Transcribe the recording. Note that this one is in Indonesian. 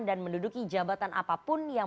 dan menduduki jabatan apapun yang